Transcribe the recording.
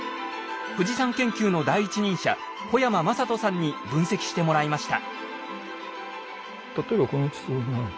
富士山研究の第一人者小山真人さんに分析してもらいました。